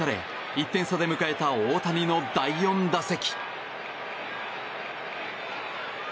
１点差で迎えた大谷の第４打席。